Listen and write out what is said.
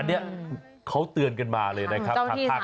อันเนี่ยเขาเตือนกันมาเลยนะครับ